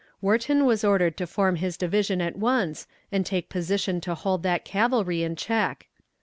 Wharton was ordered to form his division at once, and take position to hold that cavalry in check.